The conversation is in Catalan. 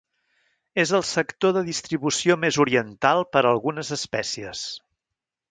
És el sector de distribució més oriental per a algunes espècies.